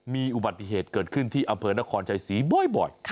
มีอุบัติเหตุเกิดขึ้นที่อำเภอนครชัยศรีบ่อย